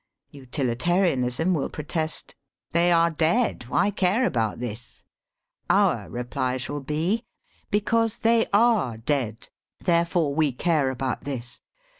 Utilitarianism will protest "they are dead ; why care about this ?" Our reply shall be, " Because they ARE dead, therefore we care about this.